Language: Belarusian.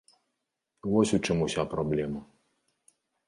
Вось у чым уся праблема.